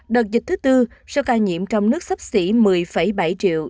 đợt dịch thứ tư số ca nhiễm trong nước sắp xỉ một mươi bảy triệu